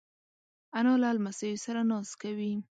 انا له لمسیو سره ناز کوي